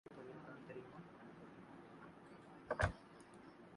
துரை எதற்கு உள்ளே போயிருக்கிறான் தெரியுமா?